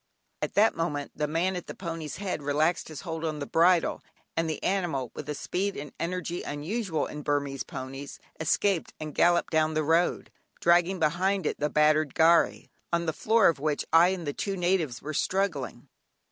At that moment the man at the pony's head relaxed his hold on the bridle, and the animal, with a speed and energy unusual in Burmese ponies, escaped and galloped down the road, dragging behind it the battered gharry, on the floor of which I and the two natives were struggling.